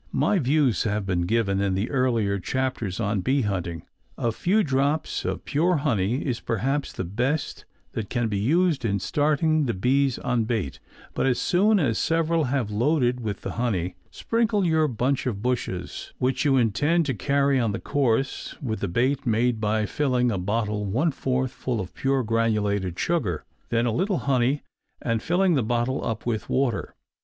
My views have been given in the earlier chapters on bee hunting. A few drops of pure honey is perhaps the best that can be used in starting the bees on bait, but as soon as several have loaded with the honey, sprinkle your bunch of bushes which you intend to carry on the course with a bait made by filling a bottle one fourth full of pure granulated sugar, then a little honey and filling the bottle up with water.